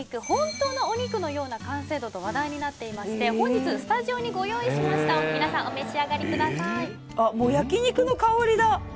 本当のお肉のような完成度と話題になっていまして本日スタジオにご用意しました皆さんお召し上がりください